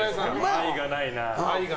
愛がないなー。